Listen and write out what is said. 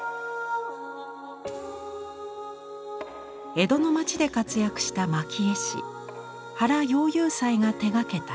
江戸の町で活躍した蒔絵師原羊遊斎が手がけた引戸。